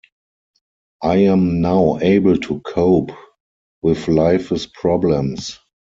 I am now able to cope with life's problems.